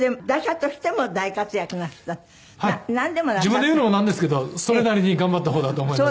自分で言うのもなんですけどそれなりに頑張った方だと思います。